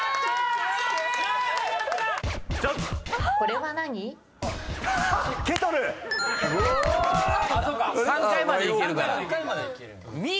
３回までいけるから。